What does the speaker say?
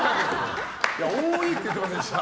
多いって言ってませんでした？